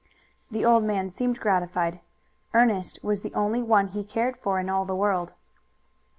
The old man seemed gratified. Ernest was the only one he cared for in all the world.